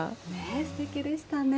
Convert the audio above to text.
すてきでしたね。